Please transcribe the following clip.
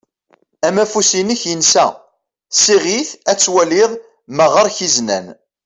Amafus-inek insa. Siɣ-it ad twaliḍ ma ɣer-k izenan.